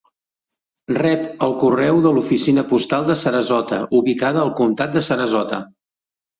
Rep el correu de l'oficina postal de Sarasota, ubicada al comtat de Sarasota.